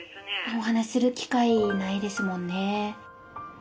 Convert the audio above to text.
お話しする機会ないですもんね。